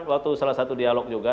waktu salah satu dialog juga